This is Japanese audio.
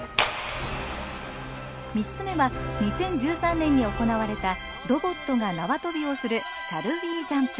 ３つ目は２０１３年に行われたロボットが縄跳びをする「シャル・ウィ・ジャンプ」。